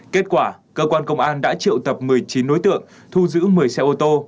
kết quả cơ quan công an đã triệu tập một mươi chín đối tượng thu giữ một mươi xe ô tô